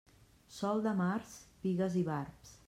Sol de març, pigues i barbs.